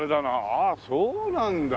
ああそうなんだ。